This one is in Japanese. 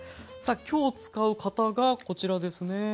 きょう使う型がこちらですね。